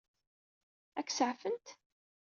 Ad k-saɛfent?